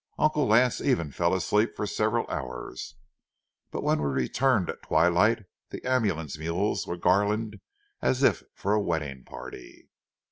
Uncle Lance even fell asleep for several hours. But when we returned at twilight, the ambulance mules were garlanded as if for a wedding party.